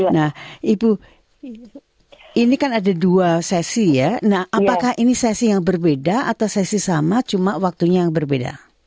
nah ibu ini kan ada dua sesi ya nah apakah ini sesi yang berbeda atau sesi sama cuma waktunya yang berbeda